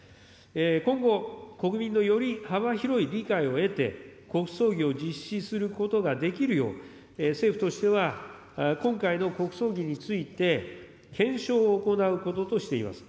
今後、国民のより幅広い理解を得て、国葬儀を実施することができるよう、政府としては今回の国葬儀について、検証を行うこととしています。